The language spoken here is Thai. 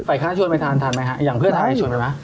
ฝ่ายค้าชวนไปทานทานไหมอย่างเพื่อทานไปชวนไปไหม